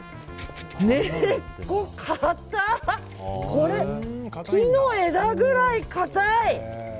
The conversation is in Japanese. これ、木の枝ぐらい硬い。